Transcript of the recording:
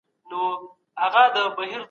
فشار د بې باورۍ احساس رامنځته کوي.